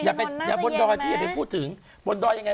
น่าจะเย็นไหมอยากบนดอยพี่อยากเป็นพูดถึงบนดอยยังไง